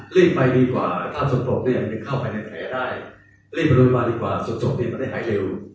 เรียกไปดีกว่าถ้าสุขปรกเนี่ยเข้าไปในแผลได้เรียกไปโรงพยาบาลดีกว่าสุขปรกเนี่ยมันได้หายเร็ว